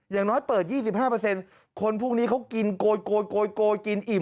อย่างน้อยเปิด๒๕คนพวกนี้เขากินโกยกินอิ่ม